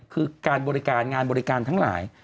คือการบริการงานบริการทั้งหลาย